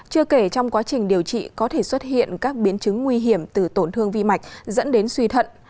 chưa kể trong quá trình điều trị có thể xuất hiện các biến chứng nguy hiểm từ tổn thương vi mạch dẫn đến suy thận